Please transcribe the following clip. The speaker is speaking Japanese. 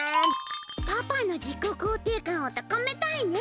パパの自己肯定感をたかめたいね。